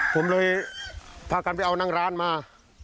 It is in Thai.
ผมเลยพากันไปเอานั่งร้านมา